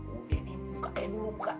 udah nih buka e dulu buka